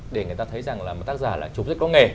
để người ta thấy rằng tác giả là chủng rất có nghề